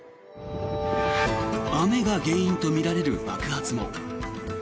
雨が原因とみられる爆発も。